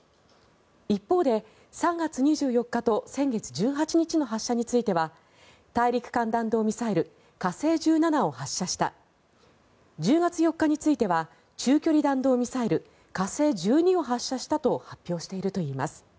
一方で３月２４日と先月１８日の発射については大陸間弾道ミサイル火星１７を発射した１０月４日については中距離弾道ミサイル、火星１２を発射したと発表しているといいます。